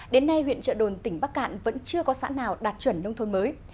đến nay huyện trợ đồn tỉnh bắc cạn vẫn chưa có xã nào đạt chuẩn nông thôn mới